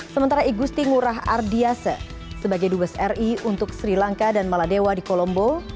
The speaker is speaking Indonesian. sementara igusti ngurah ardiase sebagai dubes ri untuk sri lanka dan maladewa di kolombo